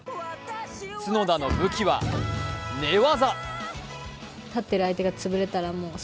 角田の武器は寝技。